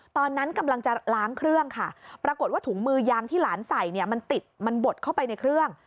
ตอนนั้นกำลังจะล้างเครื่องค่ะปรากฏว่าถุงมือยางที่หลานใส่เนี่ยมันติดมันบดเข้าไปในเครื่อง